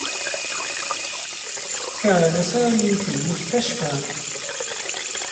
كان سامي في المستشفى.